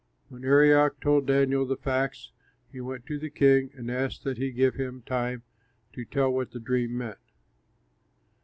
When Arioch told Daniel the facts, he went to the king and asked that he give him time to tell what the dream meant.